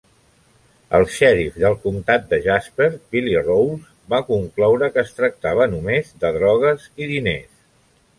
El xerif del comtat de Jasper, Billy Rowles, va concloure que es tractava només de drogues i diners.